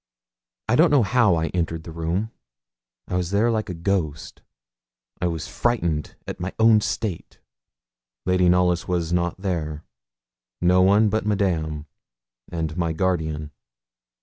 I don't know how I entered the room; I was there like a ghost. I was frightened at my own state. Lady Knollys was not there no one but Madame and my guardian.